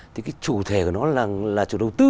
thì cái chủ thể của nó là chủ đầu tư